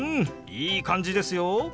いい感じですよ！